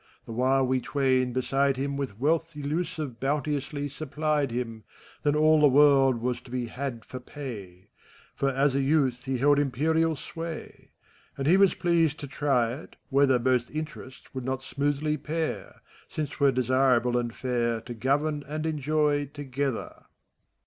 The while we twain, beside him^ With wealth iUusive bounteously supplied him, Then all the world was to be had for pay ; For as a jrouth he held imperial sway. And he was pleased to try it, whether Both interests would not smoothly pair. Since 't were desirable and fair To govern and enjoy, together.